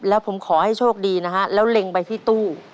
แล้วผมขอให้โชคดีนะฮะแล้วเล็งไปที่ตู้